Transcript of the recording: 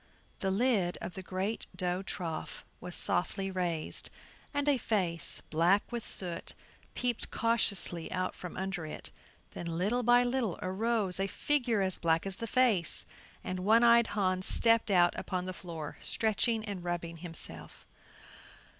The lid of the great dough trough was softly raised, and a face, black with soot, peeped cautiously out from under it. Then little by little arose a figure as black as the face; and One eyed Hans stepped out upon the floor, stretching and rubbing himself.